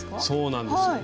そうなんです